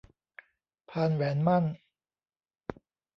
พานแหวนหมั้น